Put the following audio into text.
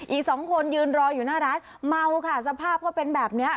อีกสองคนยืนรออยู่หน้าร้านเมาค่ะสภาพเขาเป็นแบบนี้